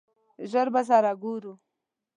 ژر به سره ګورو !